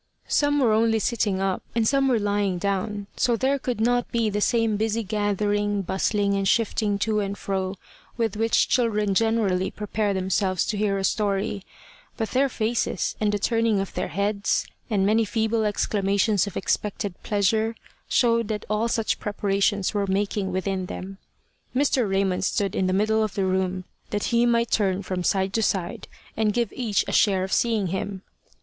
Some were only sitting up and some were lying down, so there could not be the same busy gathering, bustling, and shifting to and fro with which children generally prepare themselves to hear a story; but their faces, and the turning of their heads, and many feeble exclamations of expected pleasure, showed that all such preparations were making within them. Mr. Raymond stood in the middle of the room, that he might turn from side to side, and give each a share of seeing him.